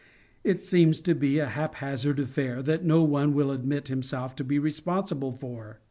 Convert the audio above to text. It seems to be a haphazard affair that no one will admit himself to be responsible for.